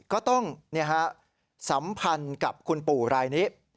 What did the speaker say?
ก็ต้องสัมพันธ์กับคุณปู่รายนี้